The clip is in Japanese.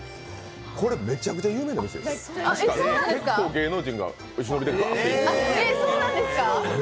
これ、めちゃくちゃ有名な店ですよ、結構芸能人がお忍びで行ってる。